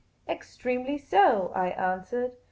" Extremely so," I answered.